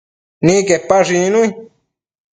Nidquepash icnui